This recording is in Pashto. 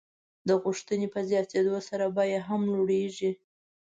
د غوښتنې په زیاتېدو سره بیه هم لوړېږي.